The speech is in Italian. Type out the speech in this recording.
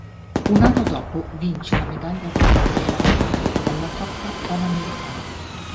Un anno dopo vince la medaglia d'oro nuovamente alla Coppa panamericana.